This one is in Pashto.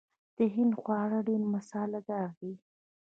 د هند خواړه ډیر مساله دار دي.